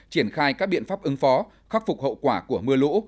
triển khai các biện pháp ứng phó khắc phục hậu quả của mưa lũ